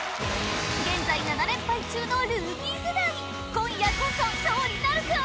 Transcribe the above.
現在７連敗中のルーキー世代今夜こそ勝利なるか？